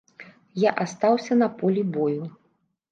Я астаўся на полі бою.